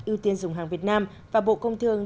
ưu tiên dùng hàng việt nam và bộ công thương